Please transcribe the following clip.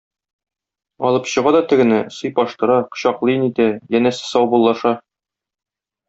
Алып чыга да тегене сыйпаштыра, кочаклый-нитә, янәсе саубуллаша.